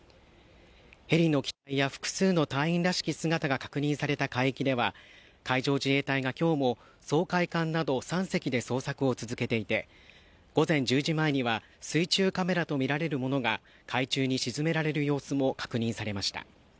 ヘリの機体や複数の隊員らしき姿が確認された海域では海上自衛隊が今日も掃海艦など３隻で捜索を続けていて、午前１０時前には水中カメラとみられるものが海中に沈められる様子も確認されました。